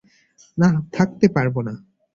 না, থাকতে পারব না।